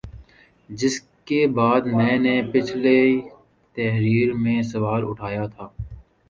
جس کے بعد میں نے پچھلی تحریر میں سوال اٹھایا تھا